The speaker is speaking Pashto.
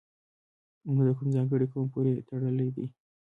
او نه د کوم ځانګړي قوم پورې تړلی دی.